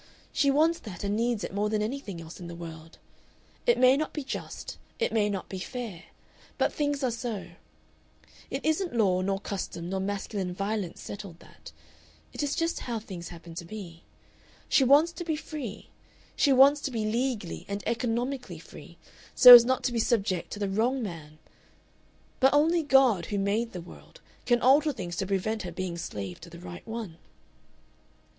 She wants that and needs it more than anything else in the world. It may not be just, it may not be fair, but things are so. It isn't law, nor custom, nor masculine violence settled that. It is just how things happen to be. She wants to be free she wants to be legally and economically free, so as not to be subject to the wrong man; but only God, who made the world, can alter things to prevent her being slave to the right one.